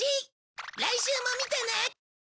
来週も見てね！